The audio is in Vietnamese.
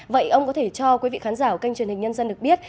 vậy ông có thể cho quý vị khán giả kênh truyền hình nhân dân được biết